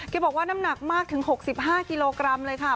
บอกว่าน้ำหนักมากถึง๖๕กิโลกรัมเลยค่ะ